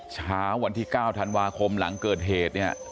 เช้าวันที่๙ธันวาคมหลังเกิดเหตุเนี่ย